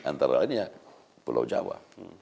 antara lainnya pulau jawa